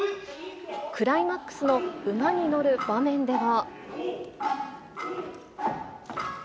クライマックスの馬に乗る場面では。